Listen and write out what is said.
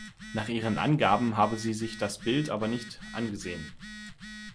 Nach ihren Angaben habe sie sich das Bild aber nicht angesehen.